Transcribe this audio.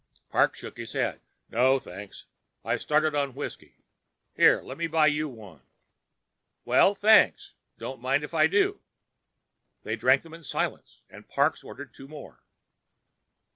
Parks shook his head. "No, thanks. I started on whiskey. Here, let me buy you one." "Well—thanks. Don't mind if I do." They drank them in silence, and Parks ordered two more.